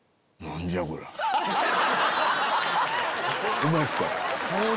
うまいっすか？